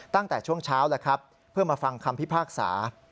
ตั้งแต่ช่วงเช้าแล้วครับเพื่อมาฟังคำพิพากษา